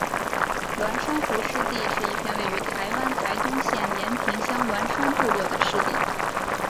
鸾山湖湿地是一片位于台湾台东县延平乡鸾山部落的湿地。